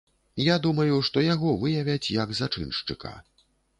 Я думаю, што яго выявяць, як зачыншчыка.